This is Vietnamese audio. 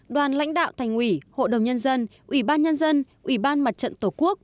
đoàn lãnh đạo thành ủy hội đồng nhân dân ủy ban nhân dân ủy ban mặt trận tổ quốc